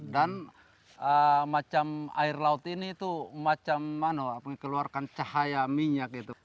dan air laut ini itu macam mengeluarkan cahaya minyak gitu